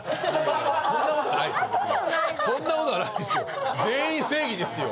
そんな事はないですよ。